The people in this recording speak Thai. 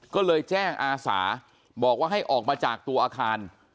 ก็เลยแจ้งอาสาบอกว่าให้ออกมาจากตัวอาคาร